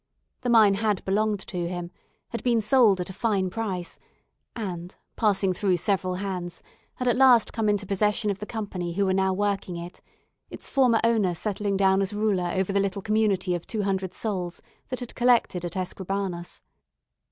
The mine had belonged to him; had been sold at a fine price, and, passing through several hands, had at last come into possession of the Company who were now working it; its former owner settling down as ruler over the little community of two hundred souls that had collected at Escribanos.